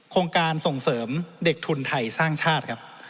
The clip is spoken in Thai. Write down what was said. โครงการส่งเสริมเด็กทุนไทยสร้างชาติครับ